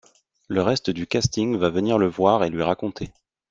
Le reste du casting va venir le voir et lui raconter.